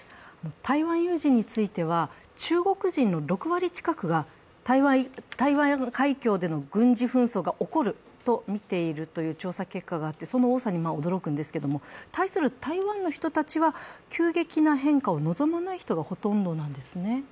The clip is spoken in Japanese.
台湾有事については中国人の６割近くが台湾海峡での軍事紛争が起こるとみているという調査結果があって、その多さに驚くんですけれども、対する台湾の人たちは急激な変化を望まない人たちがほとんどなんですね。